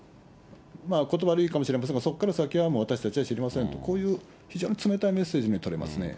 ことば悪いかもしれませんが、そこから先はもう、私たちは知りませんと、こういう非常に冷たいメッセージに取れますね。